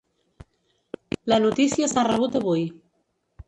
La notícia s'ha rebut avui.